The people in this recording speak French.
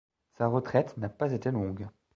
Sa retraite n'a pas été longue.